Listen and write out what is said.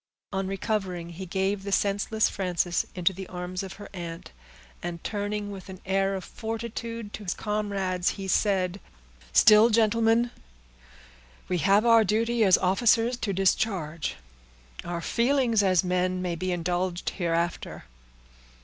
On recovering, he gave the senseless Frances into the arms of her aunt, and, turning with an air of fortitude to his comrades, he said,— "Still, gentlemen, we have our duty as officers to discharge; our feelings as men may be indulged hereafter.